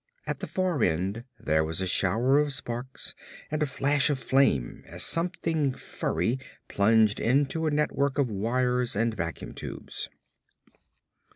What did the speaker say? At the far end there was a shower of sparks and a flash of flame as something furry plunged into a network of wires and vacuum tubes.